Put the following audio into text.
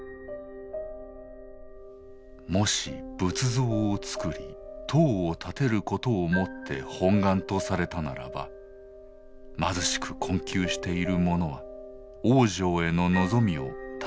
「もし仏像を作り塔を建てることをもって本願とされたならば貧しく困窮している者は往生への望みを絶つことになってしまう。